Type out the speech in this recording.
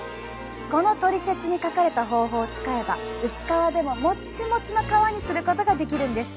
このトリセツに書かれた方法を使えば薄皮でももっちもちの皮にすることができるんです。